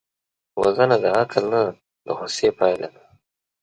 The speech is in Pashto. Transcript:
وژنه د عقل نه، د غصې پایله ده